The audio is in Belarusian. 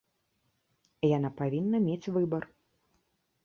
Яна павінна мець выбар.